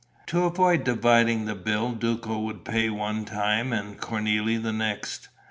To avoid dividing the bill, Duco would pay one time and Cornélie the next.